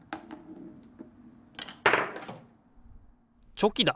チョキだ！